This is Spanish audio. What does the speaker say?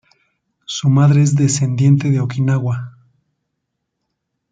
Su madre es descendiente de Okinawa.